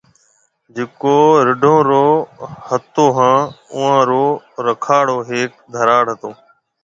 جڪو رڍون رو هتو هان اوئون رو رُکاڙو هيڪ ڌراڙ هتو